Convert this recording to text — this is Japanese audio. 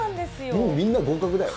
もうみんな、合格だよ。